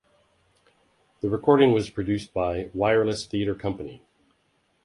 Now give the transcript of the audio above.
The recording was produced by Wireless Theatre Company.